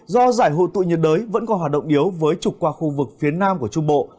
do giải hụt tụi nhiệt đới vẫn còn hoạt động yếu với trục qua khu vực phía nam của trung bộ